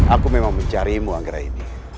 aku memang mencarimu anggrahini